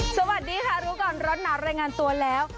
สวัสดีค่ะรู้ก่อนร้อนหนาวรายงานตัวแล้ว